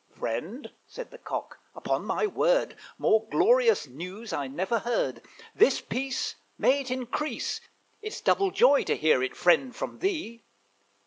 "Friend," said the Cock, "upon my word, More glorious news I never heard. This peace. May it increase; It's double joy to hear it, friend, from thee.